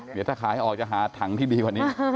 เดี๋ยวถ้าขายออกจะหาถังที่ดีกว่านี้